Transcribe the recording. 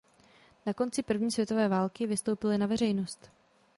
Na konci první světové války vystoupili na veřejnost.